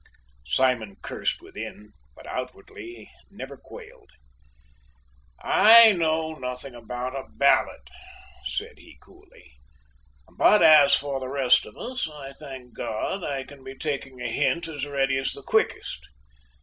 Simon cursed within but outwardly never quailed. "I know nothing about a ballant," said he coolly, "but as for the rest of it, I thank God I can be taking a hint as ready as the quickest.